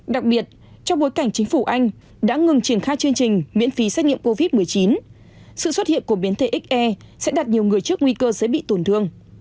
đặc biệt trong bối cảnh chính phủ anh đã ngừng triển khai chương trình miễn phí xét nghiệm covid một mươi chín sự xuất hiện của biến thể xe sẽ đặt nhiều người trước nguy cơ dễ bị tổn thương